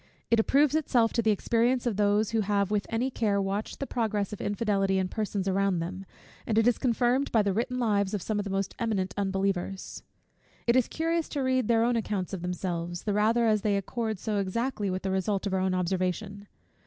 It approves itself to the experience of those who have with any care watched the progress of infidelity in persons around them; and it is confirmed by the written lives of some of the most eminent unbelievers. It is curious to read their own accounts of themselves, the rather as they accord so exactly with the result of our own observation.